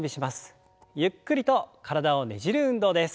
ゆっくりと体をねじる運動です。